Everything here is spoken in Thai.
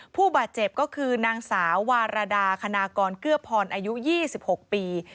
ผู้บาดเจ็บก็คือนางสาววารดาคณากรเกื้อพรอายุ๒๖ปี